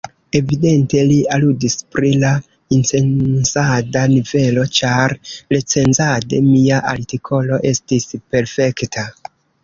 Evidente li aludis pri la incensada nivelo, ĉar recenzade mia artikolo estis perfekta.